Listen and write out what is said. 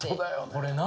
これな。